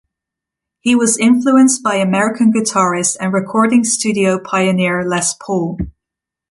He was influenced by American guitarist and recording studio pioneer Les Paul.